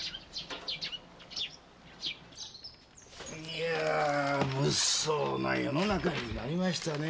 いやぁ物騒な世の中になりましたねぇ。